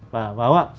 phải không ạ